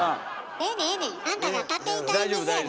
ええねんええねんあんたが立て板に水やからな。